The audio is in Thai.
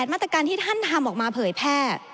มาตรการที่ท่านทำออกมาเผยแพร่